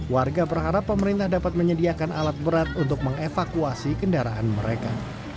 warga berharap pemerintah dapat menyediakan alat berat untuk mengevakuasi kendaraan mereka